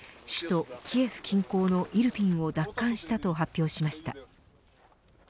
首都キエフ近郊のイルピンを奪還したと発表しました。